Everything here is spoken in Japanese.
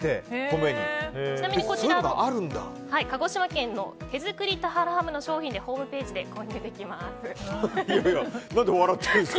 ちなみにこちら、鹿児島県の手づくり田原ハムの商品でホームページで購入できます。